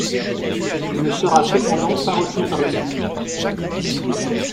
Il ne sera cependant pas retenu par la suite.